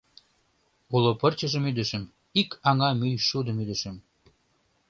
— Уло пырчыжым ӱдышым, ик аҥа мӱйшудым ӱдышым.